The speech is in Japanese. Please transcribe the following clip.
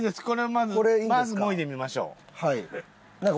これまずもいでみましょう。